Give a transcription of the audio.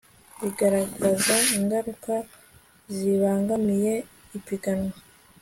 bigaragaza ingaruka zibangamiye ipiganwa